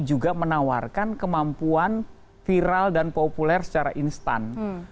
juga menawarkan kemampuan viral dan populer secara instan